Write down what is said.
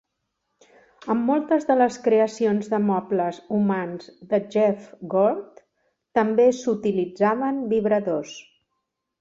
En moltes de les creacions de mobles humans de Jeff Gord, també s'utilitzaven vibradors.